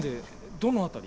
どの辺り？